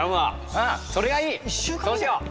うんそれがいいそうしよう。